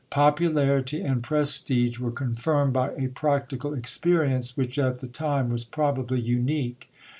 Popularity and prestige were confirmed by a practical experience which at the time was probably unique.